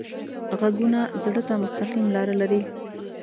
غږونه زړه ته مستقیم لاره لري